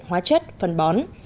hóa chất phân bón